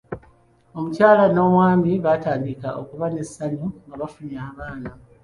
Omukyala n'omwami baatandika okuba ne ssanyu nga bafunye abaana.